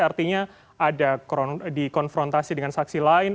artinya ada dikonfrontasi dengan saksi lain